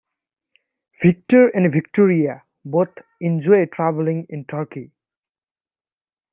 Victor and Victoria both enjoy traveling in Turkey.